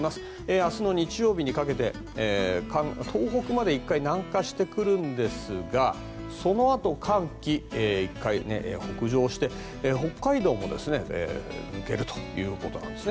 明日の日曜日にかけて東北まで１回南下してくるんですがそのあと寒気、１回北上して北海道も抜けるということなんですね。